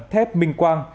thép minh quang